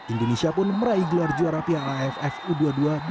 indonesia pun meraih gelar juara piala aff u dua puluh dua dua ribu dua puluh